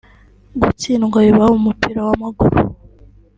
Gutsindwa bibaho mu mupira w’amaguru